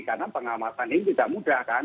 karena pengawasan ini tidak mudah kan